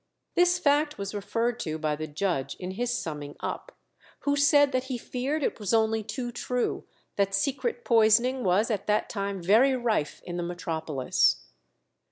This fact was referred to by the judge in his summing up, who said that he feared it was only too true that secret poisoning was at that time very rife in the metropolis.